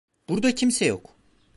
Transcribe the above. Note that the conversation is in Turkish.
Burada kimse yok.